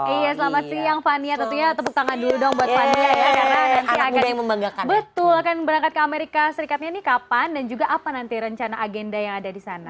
iya selamat siang fania tentunya tepuk tangan dulu dong buat fania ya karena nanti akan berangkat ke amerika serikatnya ini kapan dan juga apa nanti rencana agenda yang ada di sana